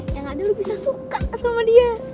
yang ada lu bisa suka sama dia